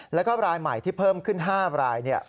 แล้วก็รายใหม่ที่เพิ่มขึ้น๕ราย